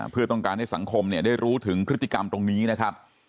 เพื่อต้องการให้สังคมได้รู้ถึงพฤติกรรมตรงนี้นะครับ